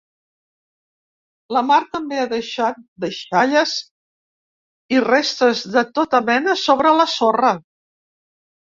La mar també ha deixat deixalles i restes de tota mena sobre la sorra.